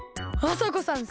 あさこさん